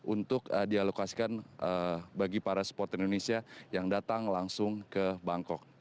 untuk dialokasikan bagi para supporter indonesia yang datang langsung ke bangkok